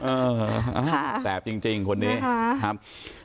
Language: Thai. ค่ะแสบจริงจริงคนนี้นะฮะครับ